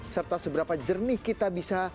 serta seberapa jernih kita bisa